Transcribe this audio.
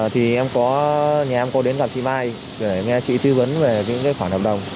thì em có nhà em có đến làm chị mai để nghe chị tư vấn về những khoản hợp đồng